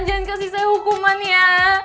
jangan kasih saya hukuman ya